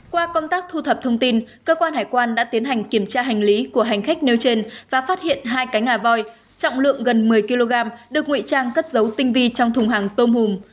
qua công tác thu thập thông tin cơ quan hải quan đã tiến hành kiểm tra hành lý của hành khách nêu trên và phát hiện hai cánh ngà voi trọng lượng gần một mươi kg được nguy trang cất dấu tinh vi trong thùng hàng tôm hùm